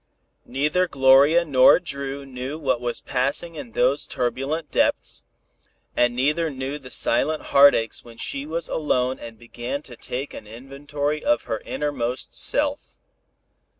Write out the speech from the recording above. Neither Gloria nor Dru knew what was passing in those turbulent depths, and neither knew the silent heartaches when she was alone and began to take an inventory of her innermost self.